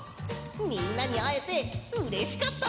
みんなにあえてうれしかったぜ！